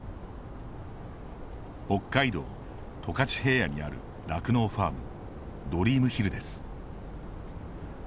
北海道、十勝平野にある酪農ファーム、ドリームヒルです。